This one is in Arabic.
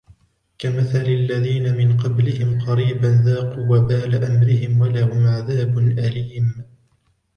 كَمَثَلِ الَّذِينَ مِنْ قَبْلِهِمْ قَرِيبًا ذَاقُوا وَبَالَ أَمْرِهِمْ وَلَهُمْ عَذَابٌ أَلِيمٌ